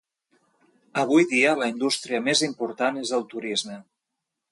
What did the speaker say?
Avui dia, la indústria més important és el turisme.